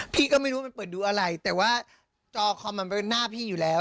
พี่ก็ไม่รู้ว่ามันเปิดดูอะไรแต่ว่าจอคอมมันเป็นหน้าพี่อยู่แล้ว